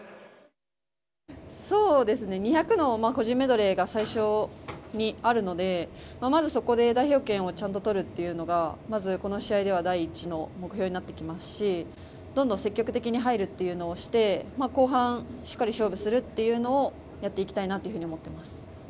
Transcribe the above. ２００ｍの個人メドレーが最初にあるのでまず、そこで、代表権をちゃんと取るっていうのがまず、この試合では第一の目標になってきますしどんどん積極的に入るっていうのをして後半しっかり勝負するっていうのをやっていきたいなっていうふうに思ってます。